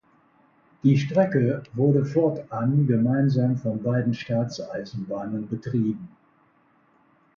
Die Strecke wurde fortan gemeinsam von beiden Staatseisenbahnen betrieben.